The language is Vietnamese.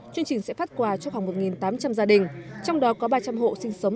chương trình sẽ phát quà cho khoảng một tám trăm linh gia đình trong đó có ba trăm linh hộ sinh sống